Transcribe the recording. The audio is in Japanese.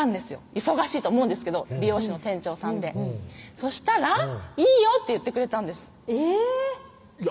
忙しいと思うんですけど美容師の店長さんでそしたら「いいよ」って言ってくれたんですいや